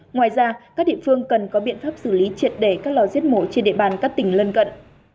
ngoài ra các địa phương cần có biện pháp xử lý triệt để các lò giết mổ trên địa bàn các tỉnh lân cận